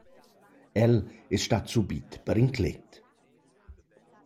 El es stat subit perinclet.